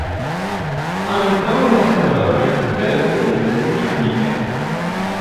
Antaŭ la hungaroj keltoj loĝis tie.